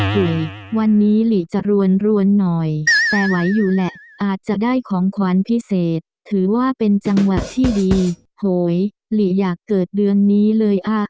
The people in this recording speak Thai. เฮ้ยวันนี้หลีจะรวนหน่อยแต่ไหวอยู่แหละอาจจะได้ของขวัญพิเศษถือว่าเป็นจังหวะที่ดีโหยหลีอยากเกิดเดือนนี้เลยอ่ะ